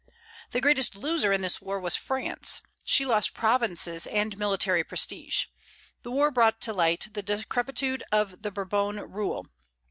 The greatest loser in this war was France: she lost provinces and military prestige. The war brought to light the decrepitude of the Bourbon rule.